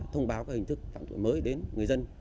thông báo hình thức phạm thuật mới đến người dân